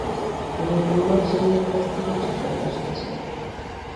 তিনি লিওনার্ড জেনিংসের কাছ থেকেও চিত্রকলা শিখেছিলেন।